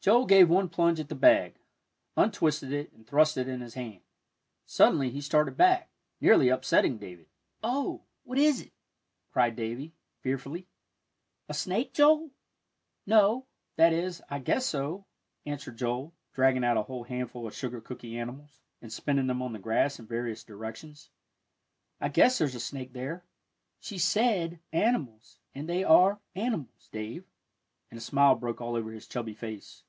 Joel gave one plunge at the bag, untwisted it, and thrust in his hand. Suddenly he started back, nearly upsetting David. "Oh!" "What is it?" cried Davie, fearfully; "a snake, Joel?" "No that is, I guess so," answered Joel, dragging out a whole handful of sugar cooky animals, and spinning them on the grass in various directions. "I guess there's a snake there. She said animals, and they are animals, Dave," and a smile broke all over his chubby face.